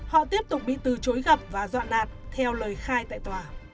họ tiếp tục bị từ chối gặp và dọn đạt theo lời khai tại tòa